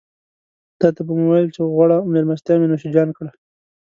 تاته به مې وويل چې غوړه مېلمستيا مې نوشيجان کړه.